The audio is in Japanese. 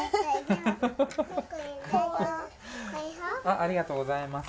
ありがとうございます。